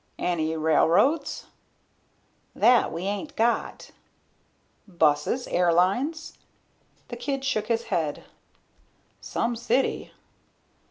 "Any railroads?" "That we ain't got." "Buses? Airlines?" The kid shook his head. "Some city."